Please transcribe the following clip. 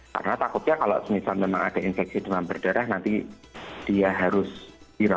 karena takutnya kalau misalnya memang ada infeksi demam berdarah nanti dia harus di rawat